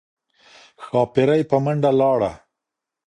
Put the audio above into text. ښاپیرۍ په منډه لاړه